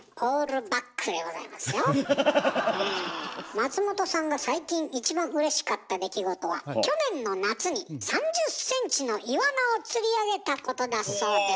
松本さんが最近一番うれしかった出来事は去年の夏に３０ｃｍのイワナを釣り上げたことだそうです。